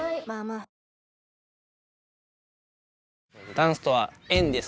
ダンスとは縁です。